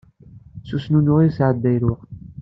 S usuneɣ i yesɛedday lweqt.